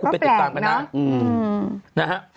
แต่เขาแปลงนะ